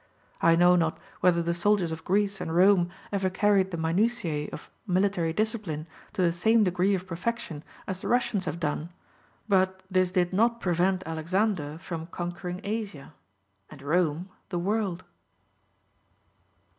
I know not whether the soldiers of Greece and Rome ever carried the minutiae of military discipline to the same degree of perfection as the Russians have done; but this did not prevent Alexander from conquering Asia and Rome, the world.